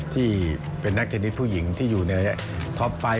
ที่เป็นนักเทรนดิสผู้หญิงที่อยู่ใน